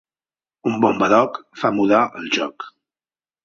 Un bon badoc fa mudar el joc.